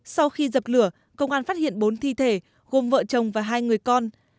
sau khi dập lửa công an phát hiện bốn thi thể gồm vợ chồng và hai người con